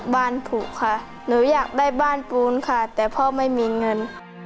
ผูกค่ะหนูอยากได้บ้านปูนค่ะแต่พ่อไม่มีเงิน